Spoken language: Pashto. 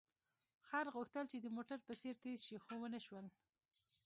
خر غوښتل چې د موټر په څېر تېز شي، خو ونه شول.